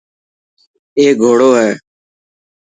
اي گهوڙو هي.